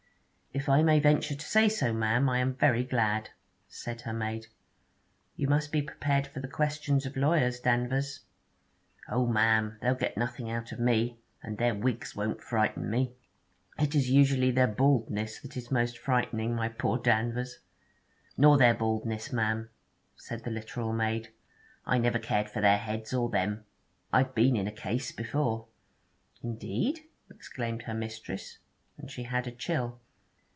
'If I may venture to say so, ma'am, I am very glad,' said her maid. 'You must be prepared for the questions of lawyers, Danvers.' 'Oh, ma'am! they'll get nothing out of me, and their wigs won't frighten me.' 'It is usually their baldness that is most frightening, my poor Danvers.' 'Nor their baldness, ma'am,' said the literal maid; 'I never cared for their heads, or them. I've been in a Case before.' 'Indeed!' exclaimed her mistress; and she had a chill.